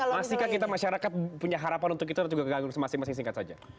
masihkah kita masyarakat punya harapan untuk itu atau juga keganggu masing masing singkat saja